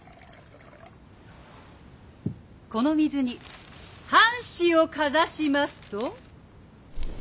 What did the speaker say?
この水に半紙をかざしますと。